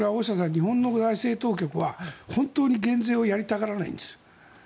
日本の財政当局は本当に減税をやりたがらないんです。